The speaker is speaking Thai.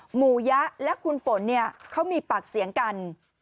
หมูยะและคุณฝนเนี่ยเขามีปากเสียงกัน